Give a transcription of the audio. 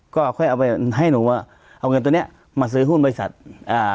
ก็ค่อยเอาไปให้หนูว่าเอาเงินตัวเนี้ยมาซื้อหุ้นบริษัทอ่า